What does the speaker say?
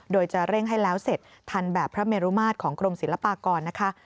โดยจะเร่งให้แล้วเสร็จทันแบบพระเมรุมาตรของกรมศิลปากรนะคะ